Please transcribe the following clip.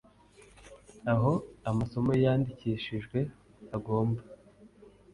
aho amasomo yandikishijwe agomba